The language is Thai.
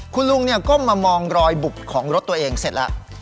คุณลุงก้มมามองรอยบุบของรถตัวเองเสร็จแล้ว